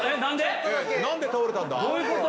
何で倒れたんだ？